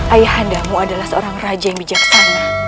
ayah nuakmu adalah seorang raja yang bijaksana